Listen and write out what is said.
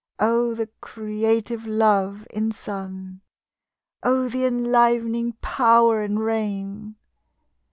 Oh, the creative Love in sun! Oh, the enlivening Power in rain!